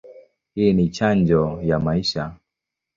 Hii ni chanjo ya maishani.